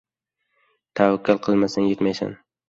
• Tavakkal qilmasang ― yutmaysan.